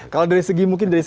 kalau dari segi nominal